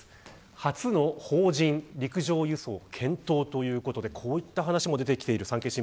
初の邦人陸上輸送を検討ということでこういった話も出てきている。